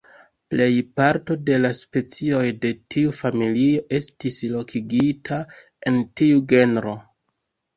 Plej parto de la specioj de tiu familio estis lokigita en tiu genro.